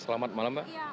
selamat malam mbak